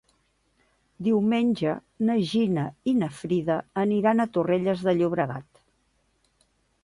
Diumenge na Gina i na Frida aniran a Torrelles de Llobregat.